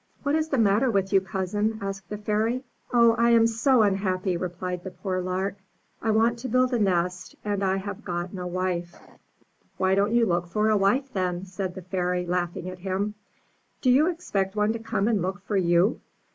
'What is the matter with you, cousin?*' asked the Fairy. ''Oh, I am so unhappy," replied the poor Lark; "I want to build a nest, and I have got no wife.*' *'Why don*t you look for a wife, then? said the Fairy, laughing at him. "Do you expect one to come and look for you?